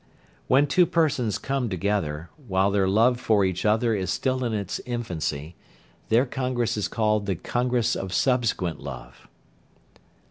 When two persons come together, while their love for each other is still in its infancy, their congress is called the "congress of subsequent love."